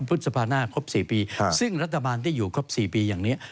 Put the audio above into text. พฤษภาหน้าครบ๔ปีซึ่งรัฐบาลที่อยู่ครบ๔ปีอย่างนี้